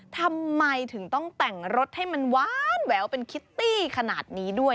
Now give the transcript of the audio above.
ทำไมถึงต้องแต่งรถให้มันว้านแววเป็นคิตตี้ขนาดนี้ด้วย